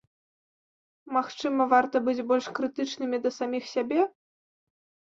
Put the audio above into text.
Магчыма, варта быць больш крытычнымі да саміх сябе?